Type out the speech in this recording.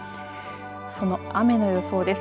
その雨の予想です。